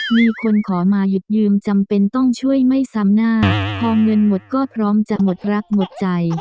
มีคนขอมาหยุดยืมจำเป็นต้องช่วยไม่ซ้ำหน้าพอเงินหมดก็พร้อมจะหมดรักหมดใจ